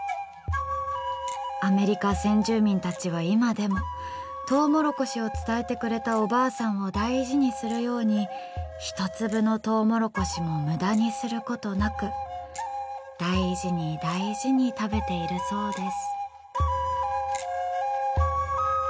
アメリカ先住民たちは今でもとうもろこしを伝えてくれたおばあさんを大事にするように一粒のとうもろこしもむだにすることなく大事に大事に食べているそうです。